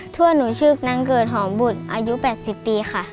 ทั่วหนูชื่อนางเกิดหอมบุตรอายุ๘๐ปีค่ะ